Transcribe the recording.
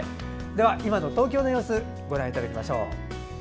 では東京の様子をご覧いただきましょう。